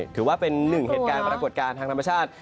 ถือว่าเป็นหนึ่งเหตุการณ์ปรากฏการณ์ทางธรรมชาติ